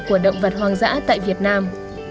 của động vật hoang dã tại việt nam